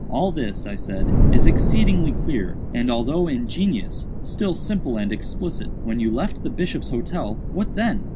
"All this," I said, "is exceedingly clear, and, although ingenious, still simple and explicit. When you left the Bishop's Hotel, what then?"